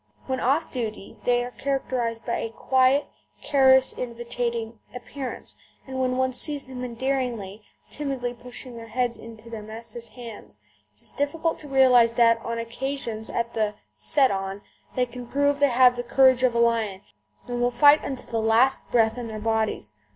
When "off duty" they are characterised by a quiet, caress inviting appearance, and when one sees them endearingly, timidly pushing their heads into their masters' hands, it is difficult to realise that on occasions, at the "set on," they can prove they have the courage of a lion, and will fight unto the last breath in their bodies.